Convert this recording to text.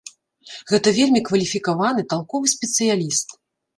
Гэта вельмі кваліфікаваны, талковы спецыяліст.